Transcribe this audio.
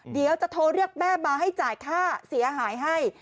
เดี๋ยวจะโทรเรียกแม่มาให้จ่ายค่าเสียหายให้